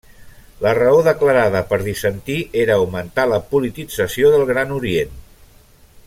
La raó declarada per dissentir era augmentar la politització del Gran Orient.